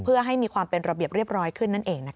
เพื่อให้มีความเป็นระเบียบเรียบร้อยขึ้นนั่นเอง